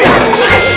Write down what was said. aduh aduh aduh